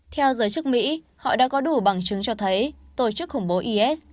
theo giới chức mỹ họ đã có đủ bằng chứng cho thấy tổ chức khủng bố is